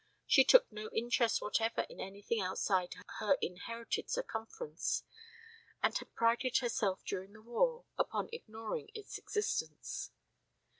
She took no interest whatever in anything outside her inherited circumference, and had prided herself during the war upon ignoring its existence.